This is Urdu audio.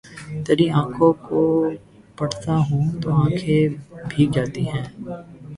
تری آنکھوں کو پڑھتا ہوں تو آنکھیں بھیگ جاتی ہی